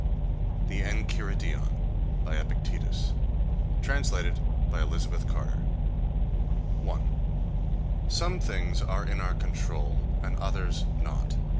The Enchiridion By Epictetus Written 135 A.C.E. Translated by Elizabeth Carter 1. Some things are in our control and others not.